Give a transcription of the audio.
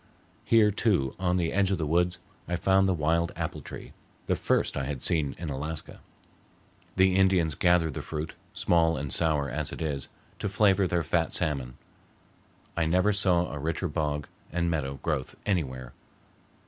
Here, too, on the edge of the woods I found the wild apple tree, the first I had seen in Alaska. The Indians gather the fruit, small and sour as it is, to flavor their fat salmon. I never saw a richer bog and meadow growth anywhere.